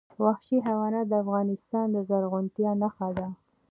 وحشي حیوانات د افغانستان د زرغونتیا نښه ده.